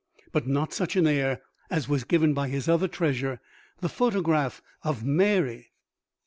But not such an air as was given by his other treasure the photograph of Mary.